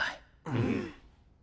うん。